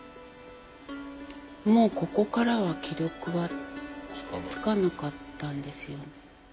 もうここからは既読はつかなかったんですよ。